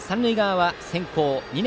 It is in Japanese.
三塁側は先攻。